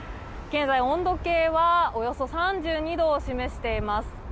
現在、温度計はおよそ３２度を示しています。